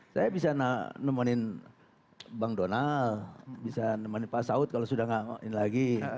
saya bisa nemenin bang donal bisa menemani pak saud kalau sudah nggak ini lagi